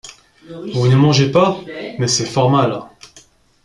Vous ne mangez pas ? mais c’est fort mal !